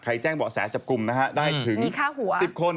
ใครแจ้งเบาะแสจับกลุ่มได้ถึง๑๐คน